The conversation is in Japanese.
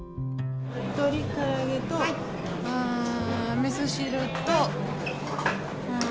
鶏から揚げと、みそ汁と。